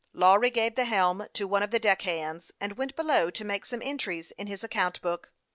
Lawry gave the helm to one of the deck hands, and went below to make some entries in his account book.